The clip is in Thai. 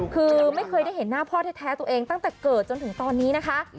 คือไม่เคยได้เห็นหน้าพ่อแท้ตัวเองตั้งแต่เกิดจนถึงตอนนี้นะคะ